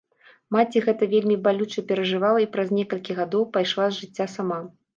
Маці гэта вельмі балюча перажывала і праз некалькі гадоў пайшла з жыцця сама.